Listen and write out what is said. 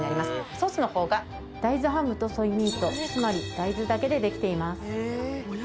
ソースの方が大豆ハムとソイミートつまり大豆だけでできています。